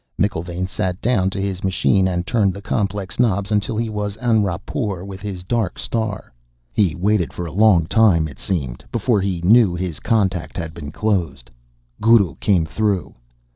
McIlvaine sat down to his machine and turned the complex knobs until he was en rapport with his dark star. He waited for a long time, it seemed, before he knew his contact had been closed. Guru came through.